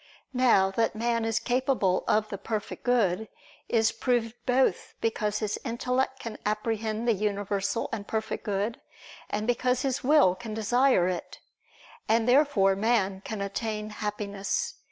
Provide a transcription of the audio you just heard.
Now, that man is capable of the Perfect Good, is proved both because his intellect can apprehend the universal and perfect good, and because his will can desire it. And therefore man can attain Happiness.